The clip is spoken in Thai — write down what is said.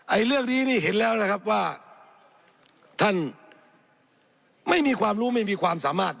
เรื่องนี้นี่เห็นแล้วนะครับว่าท่านไม่มีความรู้ไม่มีความสามารถ